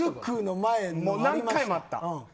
何回もあった。